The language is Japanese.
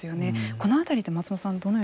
このあたりって、松本さん